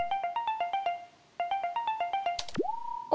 お？